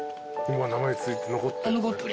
今名前ついて残って？